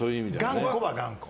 頑固は頑固。